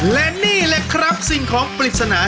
และนี่แหละครับสิ่งของปริศนา